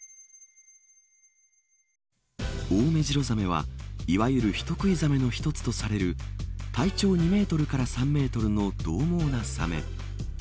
オオメジロザメは、いわゆる人食いザメの一つとされる体長２メートルから３メートルのどう猛なサメ。